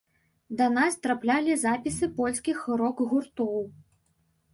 Да нас траплялі запісы польскіх рок-гуртоў.